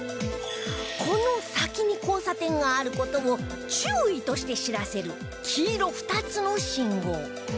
この先に交差点がある事を注意として知らせる黄色２つの信号